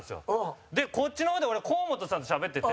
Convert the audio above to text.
こっちの方で俺、河本さんとしゃべってて。